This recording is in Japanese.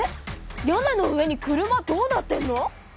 屋根の上に車どうなってんの？